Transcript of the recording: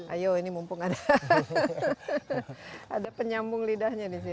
ayo ini mumpung ada penyambung lidahnya di sini